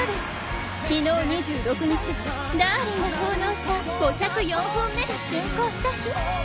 昨日２６日はダーリンが奉納した５０４本目が竣工した日。